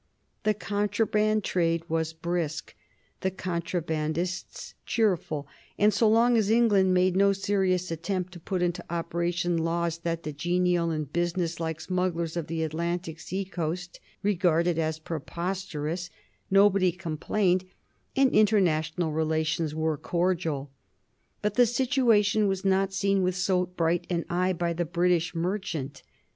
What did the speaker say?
The contraband trade was brisk, the contrabandists cheerful, and so long as England made no serious attempt to put into operation laws that the genial and business like smugglers of the Atlantic sea coast regarded as preposterous nobody complained, and international relations were cordial. But the situation was not seen with so bright an eye by the British merchant.